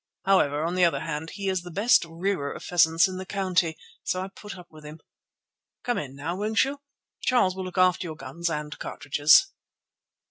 However, on the other hand, he is the best rearer of pheasants in the county, so I put up with him. Come in, now, won't you? Charles will look after your guns and cartridges."